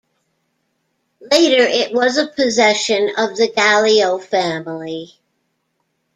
Later it was a possession of the Gallio family.